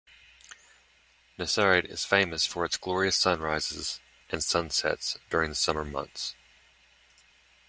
Netarhat is famous for its glorious sunrises and sunsets during the summer months.